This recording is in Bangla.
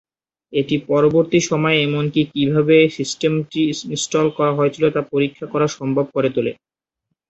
এটি পরবর্তী সময়ে এমনকি কীভাবে সিস্টেমটি ইনস্টল করা হয়েছিল তা পরীক্ষা করা সম্ভব করে তোলে।